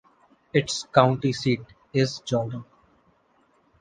Its county seat is Jordan.